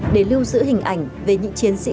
để lưu giữ hình ảnh về những chiến sĩ